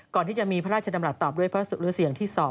ก่อนที่จะมีพระราชดำรัฐตอบด้วยพระหรือเสียงที่สอบ